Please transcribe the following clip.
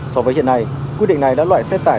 so với hiện nay quyết định này đã loại xe tải